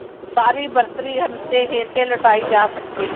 اپنی ساری برتری ہنستے کھیلتے لُٹائی جا سکتی ہے